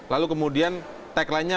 lalu kemudian tagline nya